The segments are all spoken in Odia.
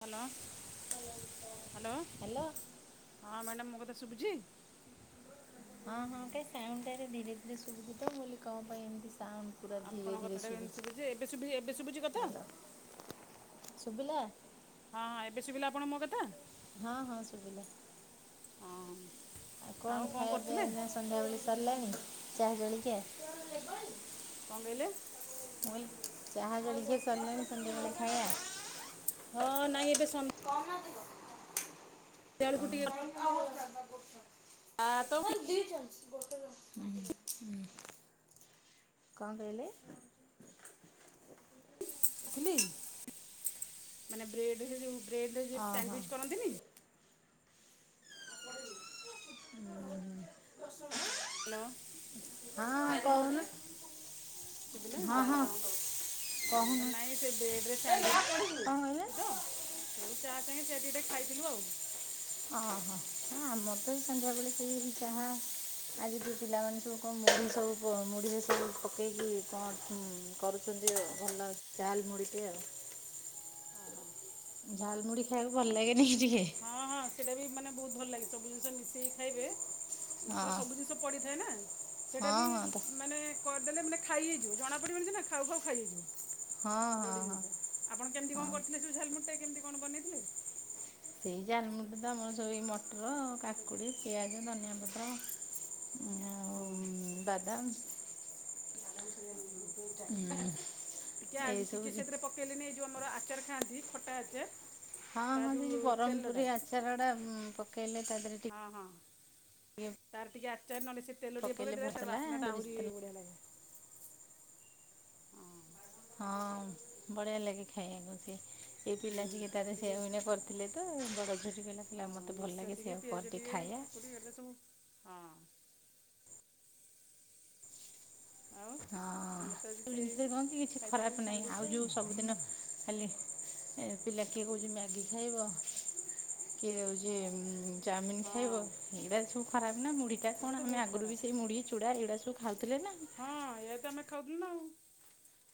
ହାଲୋ ହାଲୋ ହ୍ୟାଲୋ ହଁ ମ୍ୟାଡ଼ାମ ମୋ କଥା ଶୁଭୁଚି? ହଁ ହଁ କେ ସାଉଣ୍ଡଟାରେ ଧୀରେ ଧୀରେ ଶୁଭୁଚିତ ମୁଁ କହିଲି କ ପାଇଁ ଏମିତି ସାଉ ପୁରା ଧୀରେ ଆପଣଙ୍କ ଧୀରେ କଥାଟା ଏମିତି ଏବେ ଶୁଭି ଏବେ ଶୁଭୁଛି ଶୁଭୁଛି କଥା ହଁ ହାଲୋ ଶୁବିଲା। ହଁ ଏବେ ଶୁଭିଲା ଆପଣ ମୋ କଥା। ହଁ ହଁ ଶୁବିଲା। ହଁ ଆଉ କଣ ଖାଇବା ପିଇବା କରୁଥିଲେ? ଏଇନା ସନ୍ଧ୍ୟାବେଳେ ସରିଲାଣି ଚାହା ଜଳିଖିଆ। କଁ କହିଲେ? ମୁଁ କହିଲି ଚାହା ଜଳଖିଆ ସରିଲାଣି ସନ୍ଧ୍ୟା ବେଳେ ଖାଇଆ। ହଁ ନାଇଁ ଏବେ ସନ କଣ ନାଦିବ? ବେଳକୁ ଟିକେ [unintelligible] ମୋର ଚା ତ ଦିଟା ଅଛି। ହୁଁ ହୁଁ କଣ କହିଲେ? ଥିଲି ମାନେ ବ୍ରେଡ ରେ ସେ ଯୋଉ ବ୍ରେଡରେ ଯୋଉ ଓହୋ ସାଣ୍ଡୱିଚ କରନ୍ତିନି। ହୁଁ ହୁଁ। ହ୍ୟାଲୋ। ହଁ କହୁନ। ଶୁଭିଲା ହଁ। ମୁଁ କହିଲି କହୁନ ନାଇଁ ସେ ବେଡରେ କଣ କହିଲେ ସାଣ୍ଡୱିଚ [unintelligible] ତ। ସେହି ଚା ସାଙ୍ଗେ ସେଇଆ ଟିକେ ଟିକେ ଖାଇଥିଲୁ ଆଉ। ହଁ ହଁ ହଁ ଆମର ତ ଏଇ ସନ୍ଧ୍ୟାବେଳେ ସେଇ ଚାହା ଆଜି ଟିକେ ପିଲାମାନେ ସବୁ କଣ ମୁଢି ସବୁ ମୁଢିରେ ସବୁ ପକେଇକି କଣ କରୁ ଛନ୍ତି ଆଉ ଭଲ ଲାଗୁଛି ଝାଲମୁଡ଼ି ଟିକେ ଆଉ। ଓହୋ। ଝାଲମୁଢି ଖାଇବାକୁ ଭଲ ଲାଗେନିକି ଟିକେ। ହଁ ହଁ ସେଟା ବି ମାନେ ବହୁତ ଭଲ ଲାଗେ ସବୁ ଜିନିଷ ମିଶେଇକି ଖାଇବେ ସେଟା ହଁ ସବୁ ଜିନିଷ ପଡିଥାଏ ନା ସେଟା ହଁ ବି ହଁ ତ ମାନେ କରିଦେଲେ ମାନେ ଖାଇ ହେଇଯିବ ଜଣା ପଡିବନି ସିନା ଖାଉ ଖାଉ ଖାଇ ହେଇଯିବ। ହଁ ସେଟା ହଁ ଗୋଟେ ହଁ ଜିନିଷ ଆପଣ କେମିତି କଣ ହଁ କରିଥିଲେ ସବୁ ଝାଲମୁଡିଟା କେମିତି କଣ ବନେଇଥିଲେ? [inaudible] ସେଇ ଝାଲମୁଡି ତ ଆମର ସବୁ ଏଇ ମଟର କାକୁଡ଼ି ପିଆଜ ଧନିଆ ପତ୍ର ହଁ ଆଉ ହଁ ବାଦାମ। ହୁଁ ଟିକେ ଆ ଏଇସବୁ ଟିକେ ସେଥିରେ ପ ପକେଇଲେନି ଏଇ ଯୋଉ ଆମର ଆଚାର ଖାଆନ୍ତି ଖଟା ଆଚାର ହଁ ତା ହଁ ସେ ଯେଉଁ ଯୋଉ ତେଲଟା ବରମ୍ପପୁରୀ ଆଚାର ଡା ପକେଇଲେ ତା ଦେହରେ ହଁ ଟିକେ ହଁ ତାର ଟିକେ ଆଚାର ନହେଲେ ସେ ତେଲ ଟିକଏ ପକେଇଲେ ପକେଇ ଦେଲେ ତାର ଭସଲା ବାସ୍ନାଟା ସୋରିଷ ଆହୁରି ତେଲ ବଢ଼ିଆ ଲାଗେ। ହଁ ହଁ ବଢିଆ ଲାଗେ ଖାଇବାକୁ ସିଏ ଏ ହୁଁ ପିଲା ଟିକେ ସେଇଟା ତାର ସେଇଆକୁ ଟିକେ ଏଇନା କର ଥିଲେ ତ ବଡ଼ଝିଅଟି କହିଲା କହିଲା ମୋ ମିକ୍ସର୍ ଟିକେ ପିଆଜ ଟିକେ କାକୁଡି ଏଇ ଗୁଡାକ ସବୁ ହଁ। ଆଉ ହଁ ଆମର ତ ଆଜି ସବୁ ସେଇ ଜିନିଷରେ କଣ କି କିଛି ଖାଇଥିଲୁ ଖରାପ ନାହିଁ ସ୍ୟାଣ୍ଡୱିଚ୍ ତ ଆଉ ଯୋଉ ସବୁଦିନ ଖାଲି ଏ ପିଲା କିଏ କହୁଛି ମ୍ୟାଗି ଖାଇବ କିଏ କଉଛି ଚାଉମିନ ଖାଇବ ହଁ ଏଇଗୁଡା ସବୁ ଖରାପ ନା ମୁଢ଼ି ଟା ସେଗୁଡ଼ା ତ କଣ ଆମେ ବହୁତ ଆଗରୁ ଖରାପ ବି ସେଇ ମୁଢ଼ି ଚୂଡ଼ା ଏଇଗୁଡ଼ା ସବୁ ଖାଉଥିଲେ ନା। ହଁ ଏୟାତ ଆମେ ଖାଉଥିଲୁ ନା ଆଉ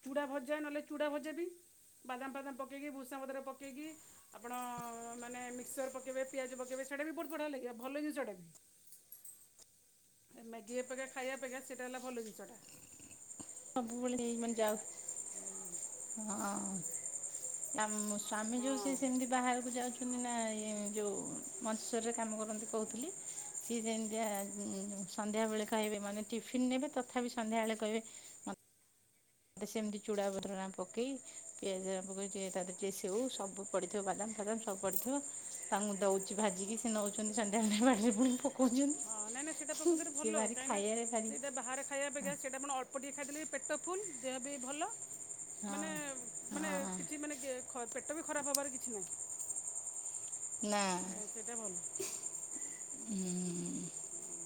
ଚୁଡ଼ା ଭଜା ନହେଲେ ଚୁଡ଼ା ଭଜା ବି। ବାଦାମ ଫାଦାମ ପକେଇକି ଭୂଷାଙ୍ଗା ପତର ପକେଇକି ଆପଣ ମାନେ ମିକ୍ସର ପକେଇବେ ପିଆଜ ପକେଇବେ ସେଇଟା ବି ବହୁତ ବଢିଆ ଲାଗିବ ଭଲ ଜିନିଷ ଟା ବି। ମ୍ୟାଗି ଅପେକ୍ଷା ଖାଇଆ ଅପେକ୍ଷା ସେଇଟା ହେଲା ଭଲ ଜିନିଷଟା। ସବୁ ବେଳେ ଏଇ ମାନେ ଯାଉ ଆଉ ହଁ। ଆ ସ୍ଵାମୀ ଯୋଉ ସିଏ ହଁ ସେମିତି ବାହାରକୁ ଯାଉଛନ୍ତି ନାଇ ଯୋଉ ମଞ୍ଚେଶ୍ଵରରେ କାମ କରନ୍ତି କହୁଥିଲି। ସିଏ ଯେମିତିଆ ସନ୍ଧ୍ୟା ବେଳେ ଖାଇବେ ମାନେ ଟିଫିନ ନେବେ ତଥାପି ସନ୍ଧ୍ୟାବେଳେ କହିବେ ସେମିତି ଚୂଡ଼ାପତ୍ରଣା ପକେଇ ପିଆଜ ପକେଇ ଟିକେ ତା ଦେହେରେ ଟିକେ ସେଉ ସବୁ ପଡ଼ିଥିବ ବାଦାମ ଫାଦାମ ସବୁ ପଡ଼ିଥିବ ତାଙ୍କୁ ଦଉଛି ଭାଜିକି ସେ ନଉଛନ୍ତି ସନ୍ଧ୍ୟାବେଳେ ବାଡ଼ିରେ ପୁଣି ହଁ ନାଇଁ ନାଇଁ ସେଇଟା ପକଉଛନ୍ତି ପ୍ରକୃତରେ ଭଲ ସିଏ ଭାରି କାହିଁକିନା ଖାଇବାରେ ଭାରି ସେଇଟା ବାହାରେ ଖାଇବା ଅପେକ୍ଷା ସେଇଟା ଆପଣ ଅଳ୍ପ ଟିକଏ ଖାଇଦଲେ ବି ପେଟ ଫୁଲ ଦେହ ବି ଭଲ ହଁ ମାନେ ମାନେ ହଁ କିଛି ମାନେ ପେଟ ବି ଖରାପ ହେବାର କିଛି ନାହିଁ। ନା ହଁ ସେଇଟା ଭଲ। ହୁଁ। ହୁଁ।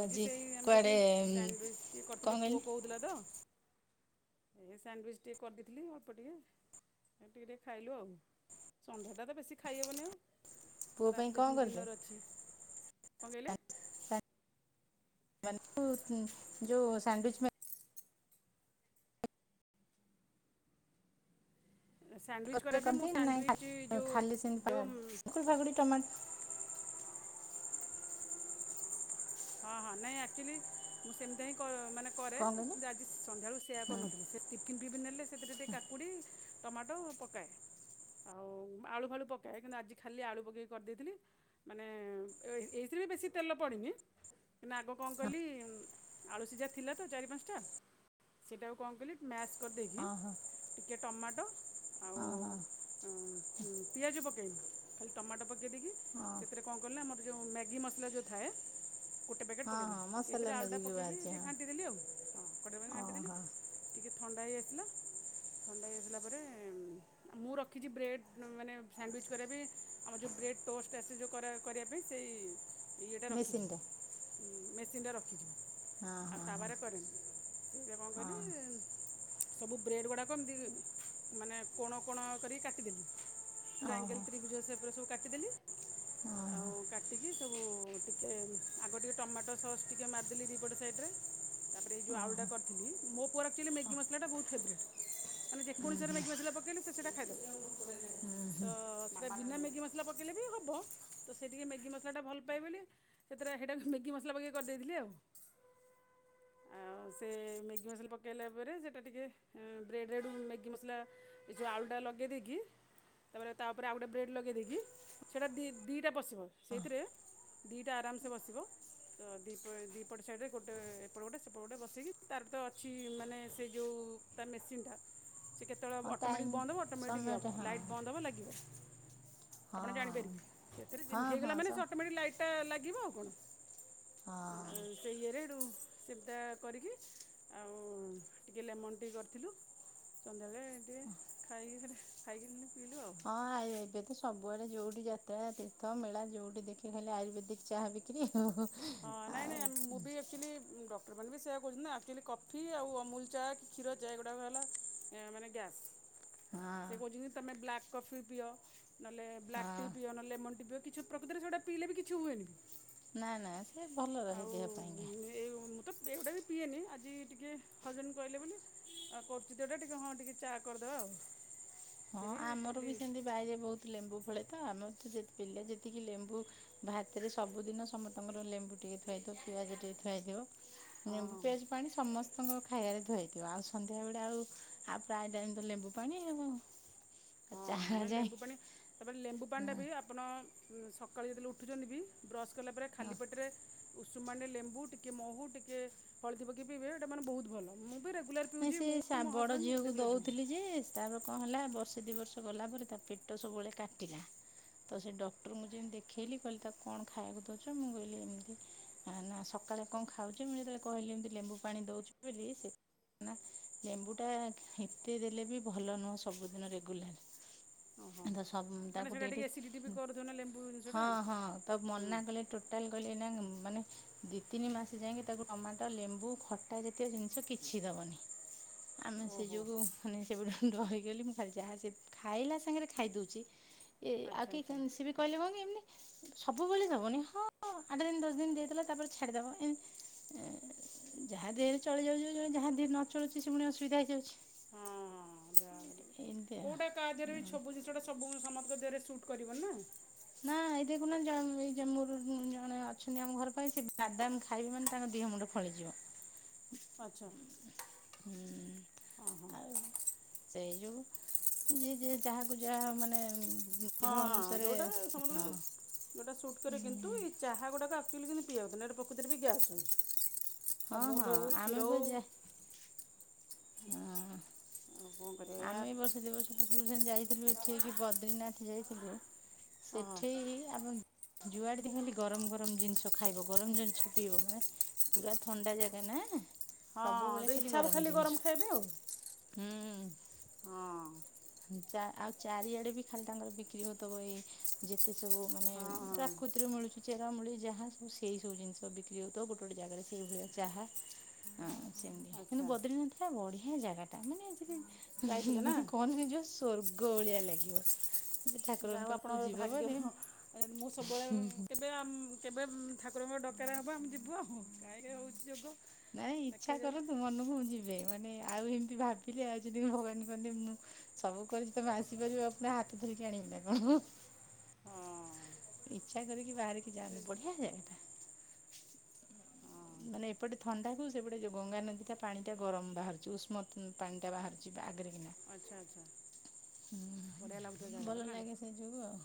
ଭଜି ସେଇ ଆମର କୁଆଡ଼େ ଯିଏ ସାଣ୍ଡିଚ୍ ଟି କଣ କରିଥିଲି ପୁଅ କହିଲେ କହୁଥିଲାତ ଏ ସାଣ୍ଡୱିଚ୍ ଟିକେ କରିଦେଇଥିଲି ଅଳ୍ପ ଟିକେ ଟିକେ ଟିକେ ଖାଇଲୁ ଆଉ ସନ୍ଧ୍ୟାଟାତ ବେଶୀ ଖାଇହବନି ଆଉ। ପୁଅ ପାଇଁ ନାରାତିରେ କଣ ଫୁଣି କଲେ? ଡିନର୍ ଅଛି କଣ କହିଲେ। [unintelligible] ଯୋଉ ସାଣ୍ତିଚ୍ ମା ସ୍ୟାଣ୍ଡୱିଚ୍ କରିବା ପାଇଁ ମୁଁ [unintelligible] ସ୍ୟାଣ୍ଡୱିଚ୍ ନାଇଁ ଯେଉଁ ଖାଲି ସେ ଯେଉଁ କାକୁଡ଼ି ଫାକୁଡି ଟମାଟ [inaudible] ହଁ ହଁ ନାଇଁ ଆକ୍ଚୁଆଲି ମୁଁ ସେମିତିହିଁ ମାନେ କରେ କଣ କହିଲେ? କିନ୍ତୁ ଆଜି ସନ୍ଧ୍ୟାବେଳୁ ସେୟା ହଁ କରିନଥିଲି ସେ ଟିଫିନ୍ ଫିଫିନ୍ ନେଲେ ସେଥିରେ ଟିକ କାକୁଡ଼ି ଟମାଟୋ ପକାଏ ଆଉ ଆଳୁ ଫାଳୁ ପକାଏ କିନ୍ତୁ ଆଜି ଖାଲି ଆଳୁ ପକେଇକି କରିଦେଇଥିଲି। ମାନେ ଏଇଥିରେବି ବେଶୀ ତେଲ ପଡ଼େନି କିନ୍ତୁ ଆଗ କଣ ହଁ କଲି ଆଳୁ ସିଝା ଥିଲାତ ଚାରି ପାଞ୍ଚଟା ସେଇଟାକୁ କଣକଲି ମ୍ୟାସ୍ କରିଦେଇକି ହଁ ଟିକେ ଟମାଟୋ ଆ ଅଁହଁ। ଅଁ ଉ ପିଆଜ ପକେଇନି ଖାଲି ଟମାଟୋ ପକେଇ ଦେଇକି ହଁ ସେଥିରେ କଣ କଲିନା ଆମର ଯେଉଁ ମ୍ୟାଗି ମସଲା ଯେଉଁ ଥାଏ। [inaudible] ଗୋଟେ ପ୍ୟାକେଟ ହଁ ପକାଇଦେଲି ହଁ ମସଲା ସେଇଥିରେ ଆଳୁା ମ୍ୟାଜିକ୍ ଯୋଉ ପକେଇକି ବାହାରିଛି ଟିକେ ହଁ ଘାଣ୍ଟି ଦେଲି ଆଉ ହଁ ଗୋଟେ ପକଟ ଘାଣ୍ଟିଦେଲି ଓହୋ ଟିକେ ଥଣ୍ଡା ହେଇ ଆସିଲା ଥଣ୍ଡା ହେଇ ଆସିଲା ପରେ ମୁଁ ରଖିଛି ବ୍ରେଡ଼୍ ମାନେ ସାଣ୍ଡୱିଚ୍ କରିବାପାଇଁ ଆମର ଯେଉ ବ୍ରେଡ଼୍ ଟୋଷ୍ଟ ଆସେ ଯେଉଁ କରା କରିବା ପାଇଁ ସେଇ ମେସିନ୍ଟି। ହୁଁ ମେସିନ୍ଟେ ରଖିଚୁ। ହଁ ଆଉ ହଁ ତାୱରେ କରେନି ସେଇତିରେ କଣ ହଁ କଲି ସବୁ ବ୍ରେଡ଼୍ ଗୁଡ଼ାକ ଏମିତି ମାନେ କୋଣ କୋଣ କରିକି କାଟିଦେଲି ହଁ ଓହୋ ଟ୍ରାଙ୍ଗଲ ତ୍ରିଭୁଜ ସେପରେ ସବୁ କାଟିଦେଲି ଓହୋ ଆଉା କା ଟିକି ସବୁ ଟିକିଏ ଆଗ ଟିକେ ଟମାଟୋ ସସ୍ ଟିକିଏ ମାରିଦେଲି ଦୁଇପଟେ ସାଇଡ଼୍ରେ ତାପରେ ଏଯେଉ ଆଉଡା ଓହୋ କରିଥିଲି ମୋପୁଅର ଆକ୍ଚୁଆଲି ମ୍ୟାଗି ମସଲାଟା ବହୁତ୍ ଫେରଟ୍। ମାନେ ଯେକୌଣସିରେ ମ୍ୟାଗି ମସଲା ପକେଇଲେ ସିଏ ସେଇଟା ଖାଇଦବ। ହୁଁ। ତ ସେଟା ବିନା ମ୍ୟାଗି ମସଲା ପ କଲେବି ହେବ ତସେଇ ଟିକେ ମ୍ୟାଗି ମସଲାଟା ଭଲପାଏ ବୋଲି ହେଥିରେ ସେଇଟାକୁ ମ୍ୟାଗି ମସଲା ପକେଇକି କରିଦେଇଥିଲି ଆଉ। ଆଉ ସେ ମ୍ୟାଗି ମସଲା ପକାଇଲା ପରେ ସେଇଟା ଟିକେ ବ୍ରେଡ଼ ରେଡ଼ୁ ମ୍ୟାଗି ମସଲା ଏଯୋଉ ଆଳୁଟା ଲଗେଇଦକି ତାପରେ ତାପରେ ଆଉ ଗୋଟେ ବ୍ରେଡ଼୍ ଲଗେଇ ଦେଇକି ସେଇଟା ଦି ଦିଇଟା ପସିବ ସେଇଥିରେ। େ ଆରାମସେ ବସିବ ତ ଦିପ ଦି ଦୁଇପଟ ସାଇଡ଼୍ରରେ ଗୋଟେ ଏପଟେ ଗୋଟେ ସେପଟେ ଗୋଟେ ବସେଇକି ତାରତ ଅଛି ମାନେ ସେ ଯେଉଁ ତା ମେସିନ୍ଟା ସେକେତେବେଳେ ହଁ ବନ୍ଦ ଅଟୋମେଟିକ୍ ଟାଇମ୍ ବନ୍ଦ ହେବ ଅଟୋମେଟିକ୍ ସମୟଟା ହେବ ହଁ ଲାଇଟ୍ ବନ୍ଦ ହେବ ଲାଗିବ। ହଁ ଆପଣ ଜାଣିପାରିବେ ସେଥିରେ ହଁ ହଁ ହେଇଗଲା ସ ମାନେ ଅଟୋମେଟିକ୍ ଲାଇଟ ଲାଗିବ ଆଉ କଣ। ହଁ। ସେଇ ଇଏରେ ହେଟୁ ସେଦା କରିକି ଆଉ ଟିକେ ଲେମନଟି କରିଥିଲୁ। ସନ୍ଧ୍ୟାବେଳେ ଟିକେ ଖାଇକି ସେରା ଖାଇକି ପିଇଲୁ ଆଉ। ହଁ ଆୟୁର୍ବେଦ ସବୁଆଡେ ଯୋଉଠି ଯାତ୍ରା ତୀର୍ଥ ମେଳା ଯୋଉଠି ଦେଖି ଖଲେ ଆୟୁର୍ବେଦିକ ଯାହା ବି [inaudible] ଆଉ [unintelligible] କ୍ଟର ବି ସେୟା କହୁଛନ୍ତି ନା ଆକ୍ଚୁଆଲି କଫି ଆଉ ଅମୁଲ ଚା କି କ୍ଷୀର ଚା ଏଗୁଡ଼ାକ ହେଲା ମାନେ ଗ୍ୟାସ୍। ହଁ ସେ କହୁଛନ୍ତି ତମେ ବ୍ଲାକ୍ କଫି ପିଅ, ନହେଲେ ହଁ ବ୍ଲାକ୍ ପିଅ ନ [unintelligible] ପିଇବକି ପ୍ରକୃତରେ ସେଇଟା ପିଇଲେ ବି କିଛି ହୁଏନି। ନା ନା ସେ ଭଲ ରହେ ଦେହ ପାଇଁକା। ଏ ମୁଁ ତ ଏଗୁଡ଼ାକ ବି ପିଏନି ଆଜି ଟିକେ ହଜବେଣ୍ଡ କହିଲେ ବୋଲି। ଆଉ କରୁଚି ଦଟା ଟିକେ ହଁ ଟିକେ ଚା କରିଦବା ଆଉ। ହଁ ସେ ବି ଆମର କଲି ବି ସେମିତି ବାଇରେ ବହୁତ ଲେମ୍ବୁ ଫଳେ ତ, ଆମର ତ ପିଲା ଯେତିକି ଲେମ୍ବୁ ଭାତରେ ସବୁଦିନ ସମସ୍ତଙ୍କର ଲେମ୍ବୁ ଟିକେ ଥୁଆହେଇଥିବ ପିଆଜ ଟିକେ ଥୁଆହେଇଥିବ। ହଁ ଲେମ୍ବୁ ହଁ ପିଆଜ ପାଣି ସମ ଆପଣଙ୍କ ଖାଇବାରେ ଧୁଆଇଥିବ ଆଉ ସନ୍ଧ୍ୟାବେଳେ ଆଉ ଆଉ ପ୍ରାୟ ଟାଇମ ତ ଲେମ୍ବୁ ପାଣି ଆଉ। ହଁ ଚାହା ନା ଯାଏ ଲେମ୍ବୁ ପାଣି ତାପରେ ଲେମ୍ବୁ ହଁ ପାଣି ବି ଆପଣ ସକାଳୁ ଯେତେବେଳେ ଉଠୁଛନ୍ତି ବି ବ୍ରସ୍ କଲା ପରେ ଖାଲି ହଁ ପେଟରେ ଉଷୁମ୍ ପାଣିରେ ଲେମ୍ବୁ ଟିକି ମହୁ ଟିକେ ହଳଦୀ ପକେଇକି ପିଇବେ ଏଇଟା ମେନେ ବହୁତ ଭଲ, ମୁଁ ବି ରେଗୁଲାର ନା ପିଉଛି ସେ ମୁଁ ମୋ ସାବ ବଡ ହଜବେଣ୍ଡ ଝିଅକୁ ରେଗୁଲାର ପିଉଛୁ ଦୋଉଥିଲି ଯେ ତାର କଣ ହେଲା ବର୍ଷେ ଦି ବର୍ଷ ଗଲା ପରେ ତା ପେଟ ସବୁବେଳେ କାଟିଲା। ତ ସେ ଡକ୍ଟର ମୁଁ ଯେମିତି ଦେଖେଇଲି କହିଲି ତାକୁ କଣ ଖାଇବାକୁ ଦୋଉଚ ମୁଁ କହିଲି ଏମିତି ନା ନା ସକାଳେ କଣ ଖାଉଚ? ମୁଁ ଯେତେବେଳେ କହିଲି ଏମିତି ଲେମ୍ବୁ ପାଣି ଦୋଉଚି ବୋଲି ସେ ଲେମ୍ବୁଟା ଏତେ ଦେଲେ ବି ଭଲ ନୁହେଁ ସବୁଦିନ ଓହୋ ରେଗୁଲାର। ସବ କାହିଁକିନା ତାକୁ ସେଇଟା ଟିକେ ଏସିଡ଼ିଟି ବି ଟିକେ କରୁଥିବ ନା ଲେମ୍ବୁ ଜିନିଷଟା ହଁ ହଁ ତା ହୁଁ ମନା କଲେ ଟୋ ଟାଲ କହ ନା ମାନେ ଦିଇ ତିନି ମାସ ଯାଇକି ତାକୁ ଟମାଟୋ ଲେମ୍ବୁ ଖଟା ଜାତୀୟ ଜିନିଷ କି କିଛି ଦେବନି, ଆମେ ସେ ଓହୋ ଯୋଉ ମାନେ ସେଡଗୁଡା ଧରିକି ଗଲି ମୁଁ [unintelligible] ଯାହା ସେ ଖାଇଲା ସାଙ୍ଗରେ ଖାଇଦୋଉଚି। ଏ ଆଉ ଆଚ୍ଛା କି ଆଚ୍ଛା ସି ବି କହିଲେ ହୋଉନି। ସବୁ ବୋଲି ଦବନି ହଁ ଆଠ ଦିନ ଦଶ ଦିନ ଦେଇଥିଲା ତାପରେ ଛାଡିଦବ। ଯାହା ଦେହରେ ଚଳି ଯାଉଛି [unintelligible] ଯାହା ଦେରେ ନ ଚଳୁଛି ସେ ପୁଣି ଅସୁବିଧା ହୋ। ହଁ ହଁ ଯାହା ବୋଲି ଆଉ। କୋଉଟା କାହା କାର୍ଯ୍ୟରେ ବି ସବୁ ଟା ସବୁ ସମଙ୍କ ଦେହରେ ସୁଟ୍ କରିବ ନା। ନା ଏଇ ଦେଖୁନା [unintelligible] ଜଣେ ଅଛନ୍ତି ଆମ ଘର ପାଖରେ ସେ ବାଦାମ ଖାଇବି ମାନେ ତାଙ୍କ ଦିହ ମୁଣ୍ଡ ଖଳିଯିବ। [unintelligible] ଆଉ ସେଯୋଗୁ ଯିଏ ଯ ଯାହାକୁ ଯାହା ମାନେ ହଁ ଦେହ ହଁ ଅନୁସାରେ ଯେଉଁଟା ହଁ ସମସ୍ତଙ୍କୁ ଯେଉଁଟା ସୁଟ୍ କରେ କିନ୍ତୁ ଚାହା ଗୁଡ଼ାକ ଆକ୍ଚୁଆଲି କିନ୍ତୁ ପିଈ [unintelligible] ବି ଗ୍ୟାସ୍ ଚାଲୁଚି। ହଁ ହଁ ଅମୁଲ ହଉ ଆମେ କ୍ଷୀର ବା ହୋଉ ଯା ହଁ କରିବା ଏଇଆ ଆମେ ବ ଦିଇ ବର୍ଷ ଯାଇଥିଲୁ ଏଠିକି ବଦ୍ରିନାଥ ଯାଇଥିଲୁ ଓହୋ। ସେଠି ଆମ ଯୁଆଡେ ଦେଖି ଗରମ ଗରମ ଜିନିଷ ଖାଇବ, ଗରମ ଜିନିଷ ପିଇବ। ପୁରା ଥଣ୍ଡା ଜାଗା ନା। ହଁ ତ ଇଚ୍ଛା ହବ ଖାଲି ଗରମ ଖାଇବି ଆଉ। ହୁଁ। ହଁ। ଆଉ ଚାରିଆଡେ ବି ଖାଲି ତାଙ୍କର ବିକ୍ରି ହଉଥବ ଏଇ ଯେ ଏତେ ସବୁ ମାନେ ହଁ ହଁ ପ୍ରାକୃତିରେ ମିଳୁଛନ୍ତି। ଚେରା ମୂଳି ଯାହା ସବୁ ସେଇ ସବୁ ଜିନିଷ ବିକ୍ରି ହଉ ତ ଗୋଟେ ଗୋଟେ ଜାଗାରେ ସେଇ ଭଳିଆ ଯାହା ହଁ ସେମିତି କିନ୍ତୁ ଆଚ୍ଛା ବଦ୍ରିନାଥ ବଢିଆ ଜାଗା ଟା ମାନେ ଆ ଯାଇଥିଲେ ନା? କଣ? ଯଉ ସ୍ଵର୍ଗ ଭଳିଆ ଲାଗିବ। ଯେ ଠାକୁରଙ୍କ ଯଉ ପାଖକୁ ଆପଣଙ୍କର ଯିବ ମାନେ ଭାଗ୍ୟ ମୁଁ ସବୁବେଳେ। କେବେ ଆମ କେବେ ଠାକୁରଙ୍କ ଡକରା ହେବ ଆମେ ଯିବୁ ଆ କାହିଁକି ହେଉଛି ଯୋଗ। ନାଇଁ ଇଚ୍ଛା ଦେଖାଯାଉ କରନ୍ତୁ ମନକୁ ମୁଁ ଯିବେ। ମାନେ ଆଉ ଏମତି ଭାବିଲେ ଆଉ ଯଦି ଭଗବାନ କହନ୍ତି ମୁଁ ସବୁ କରିଛି ତମେ ଆସିପାରିବ ପ ହାତ ଧରିକି ଆଣିବ ନା କଣ। ହଁ ଇଚ୍ଛା କରିକି ବାହାରିକି ସେ ଯାଆନ୍ତୁ ବଢିଆ ଜାଗା ଟା। ହଁ ମାନେ ଏପଟେ ଥଣ୍ଡାକୁ ସେପଟେ ଯେଉଁ ଗଙ୍ଗାନଦୀଟା ପାଣିଟା ଗରମ ବାହାରୁଛି ଉଷ୍ମତ ପାଣିଟା ବାହାରୁଛି ଆଗରେ କିିନା ଆଚ୍ଛା ଆଚ୍ଛା ବଢ଼ିଆ ଲାଗୁଥିବ ଜାଗାଟା ଭଲ ନା ଲାଗେ ସେ ଯୋଗୁ ଆଉ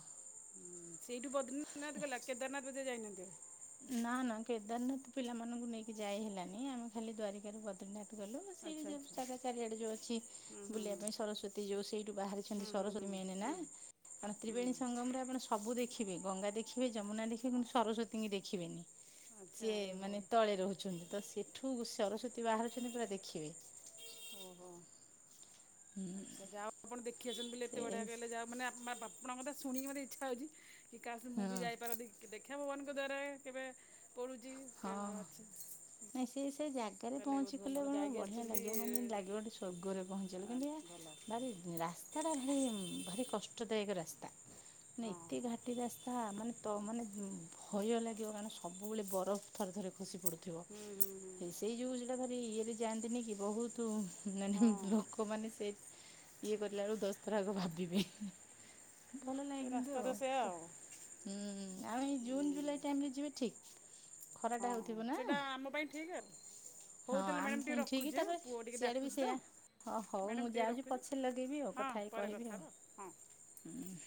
ହୁଁ ସେଇଠୁ ବଦ୍ରନାଥ ଗଲା କେଦାରନାଥ ବଜେ ଯାଇନାହାନ୍ତି ଆଉ ନା ନା କେଦାରନାଥ ପିଲାମାନଙ୍କୁ ନେଇକି ଯାଇ ହେଲାନି ଆମେ ଖାଲି ଦ୍ୱାରିକା ର ଯଦନାଥ ଗଲୁ ସେଇଠ ଆଚ୍ଛା ଯୋ ଆଚ୍ଛା ସଢା ଚାରିଆଡେ ଯୋଉଛି ହୁଁ ହୁଁ ବୁଲିବା ପାଇଁ ସରସ୍ଵତୀ ଯୋଉ ସେଇଠୁ ବାହାରିଛନ୍ତି ହୁଁ ହୁଁ ହୁଁ ହୁଁ ସରସ୍ୱତୀ ମେନ ନା ହୁଁ କାରଣ ତ୍ରିବେଣୀ ହୁଁ ସଙ୍ଗମ ରେ ଆପଣ ସବୁ ଦେଖିବେ ଗଙ୍ଗା ଦେଖିବେ ଯମୁନା ଦେଖିବେ କିନ୍ତୁ ସରସ୍ୱତୀଙ୍କୁ ଦେଖିବେନି ଆଚ୍ଛା ସିଏ ଓହୋ ମାନେ ତଳେ ରହୁଛନ୍ତି ତ ସେଠୁ ସରସ୍ଵତୀ ବାହାରୁଛନ୍ତି ପୁରା ଦେଖିବେ। ଓହୋ ଆଛା ଯ ଆପଣ ଦେଖିସନ୍ତି ବୋଲି ଏତେ ସେ ବଢିଆ କହିଁଲେ ଯା ମାନେ ବାପାଙ୍କ କଥା ଶୁଣିକି ମୋତ ଦେଖିବାକୁ ଇଛଅ ହଉଛି। କି କାସ ମୁଁ ହଁ ବି ଯାଇପାରନ୍ତି ଦେଖିବା ଭଗବାନଙ୍କ ଦ୍ୱାରା କେବେ ପଡ଼ୁଛି। ହଁ କେବେ ଅଛି ନାଇଁ ସେ ସେ ଜାଗା ଆାଗରେ ତାହେଲେ ବହୁତ ଭଲ ପହଞ୍ଚିଗଲେ ଆପଣ ମ ଯାଇକି ବଢ଼ିଆ ଆସିଛନ୍ତି ଲାଗିବ ମାନେ ଯେମିତି ଲାଗିବ ଗେ ସର୍ଗରେ ପହଞ୍ଚିଗଲେ କିନ୍ତୁ ଏହା ଭଲ ଭାରି ରାସ୍ତାଟା ଭାରି ଭାରି କଷ୍ଟଦାୟକ ରାସ୍ତା ନା ହଁ ଏତେ ଘାଟି ରାସ୍ତା ମାନେ ତ ମାନେ ଭୟ ଲାଗିବ କାରଣ ସବୁବେଳେ ବରଫ ଥରେ ଥରେ ଖସି ପଡୁଥିବ। ହୁଁ ହୁଁ ହୁଁ ସେଇ ଯୋଉ ସେଟା ଭାରି ଇଏରେ ଯାଆନ୍ତିନି କି ବହୁତ ମାନେ ହଁ ଲୋକମାନେ ସେ ଇଏ କିଲା ବେଳକୁ ଦଶ ଥର ଆଗ ଭାବିବେ। ଭଲ ଲାଗେ ସେ କିନ୍ତୁ ରାସ୍ତା ତ ସେୟା ଆଁ ଆଉ ଆଉ ଏଇ ଜୁନ୍ ଜୁଲାଇ ଟାଇମରେ ଯିବେ ଠିକ। ହଁ ସେଇଟା ଆମ ପାଇଁ ଠିକ୍ ଆଉ। ହଉ ହଁ ତାହେଲେ ଆମ ମ୍ୟାଡ଼ାମ୍ ଟିକେ ପାଇଁ ଠିକ ରଖୁଛି ଆଁ ତାପରେ ପୁଅ ଟିକେ ସିଆଡେ ବି ଡାକୁଛି ତ ସେଆ। ହଁ ହଉ ମ୍ୟାଡ଼ାମ୍ ମୁଁ ଟିକେ ଯାଉଛି ରଖୁଛି ପଛରେ ଲଗେଇବି ଆଉ ହଁ କଥା ହେଇ ପରେ କହିବି କଥା ଆଉ ହେବା ହଁ